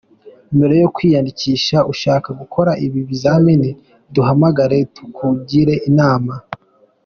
Mbere yo kwiyandikisha ushaka gukora ibi bizamini, duhamagare tukugire inama.